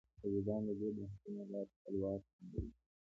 طالبان د دې بحثونو له لارې خپل واک ټینګوي.